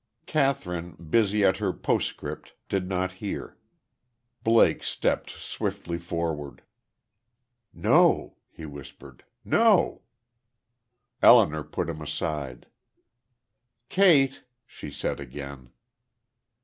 Kathryn, busy at her postscript, did not hear. Blake stepped swiftly forward. "No!" he whispered. "No!" Elinor put him aside. "Kate!" she said again.